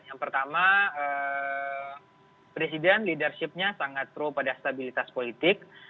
yang pertama presiden leadershipnya sangat pro pada stabilitas politik